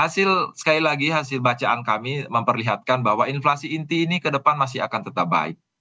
hasil sekali lagi hasil bacaan kami memperlihatkan bahwa inflasi inti ini ke depan masih akan tetap baik